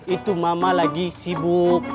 itu mama lagi sibuk